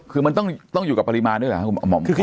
คือมันต้องอยู่กับปริมาณด้วยหรือครับ